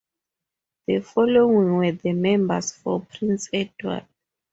The following were the members for Prince Edward.